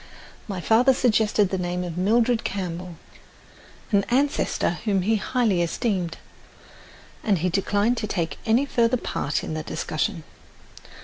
My father suggested the name of Mildred Campbell, an ancestor whom he highly esteemed, and he declined to take any further part in the discussion.